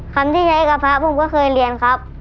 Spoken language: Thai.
คำที่ใช้กับพระผมก็เคยเรียนครับ